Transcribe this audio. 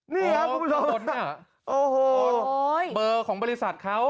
นี่ครับผมรู้สึกนะโอ้โหโอ้ยเบอร์ของบริษัทเขา